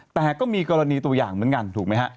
แต่ก็มีกรณีตัวอย่างเหมือนกันถูกไหมฮะ